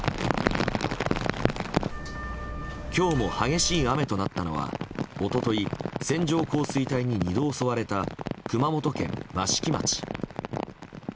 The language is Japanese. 今日も激しい雨となったのは一昨日、線状降水帯に２度襲われた熊本県益城町。